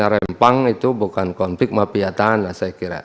seperti misalnya rempang itu bukan konflik mafiatan lah saya kira